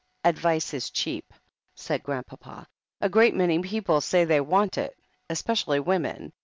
"Advice is cheap," said Grandpapa. "A great many people say they want it, especially women.